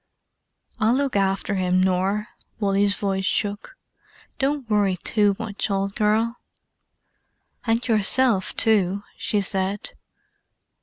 "I'll look after him, Nor." Wally's voice shook. "Don't worry too much, old girl." "And yourself, too," she said.